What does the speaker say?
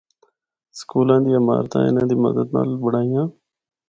سکولاں دیاں عمارتاں اِناں دی مدد نال بنڑائیاں۔